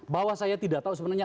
bahwa saya tidak tahu sebenarnya